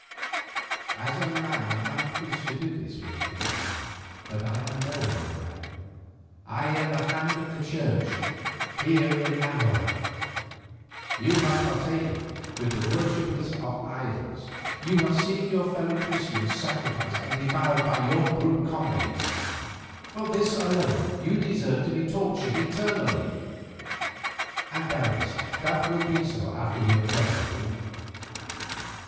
"As a man I might wish to do this, Wingfield, but I am more than a man, I am the hand of the Church here in Anahuac. You have partaken with the worshippers of idols, you have seen your fellow Christians sacrificed and devoured by your brute comrades. For this alone you deserve to be tortured eternally, and doubtless that will be so after we have done with you.